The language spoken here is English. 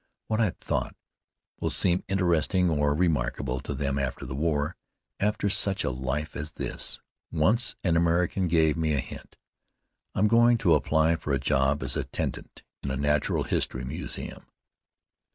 What, I thought, will seem interesting or remarkable to them after the war, after such a life as this? Once an American gave me a hint: "I'm going to apply for a job as attendant in a natural history museum."